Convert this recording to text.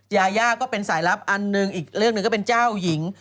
ยาย่าก็เป็นสายลับอันหนึ่งอีกเรื่องหนึ่งก็เป็นเจ้าหญิง